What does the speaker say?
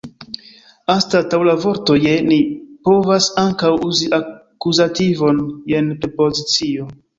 Anstataŭ la vorto « je » ni povas ankaŭ uzi akuzativon sen prepozicio.